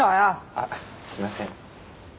あっすいません